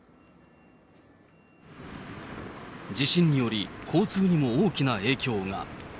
地震により交通にも大きな影響が。